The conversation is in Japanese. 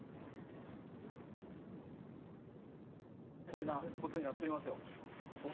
こんなことになっとりますよ。